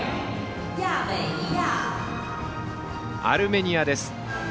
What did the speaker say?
アルメニアです。